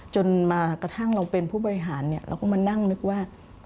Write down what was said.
จนมากระทั่งเราเป็นผู้บริหารเราก็มานั่งนึกว่า